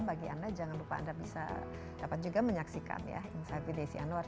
bagi anda jangan lupa anda bisa dapat juga menyaksikan ya insight with desi anwar